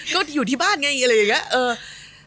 ก็อยู่ที่บ้านไงอะไรอย่างนี้